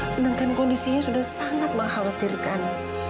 sedangkan kondisinya sudah sangat mengkhawatirkan